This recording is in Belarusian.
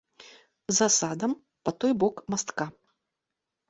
За садам, па той бок мастка.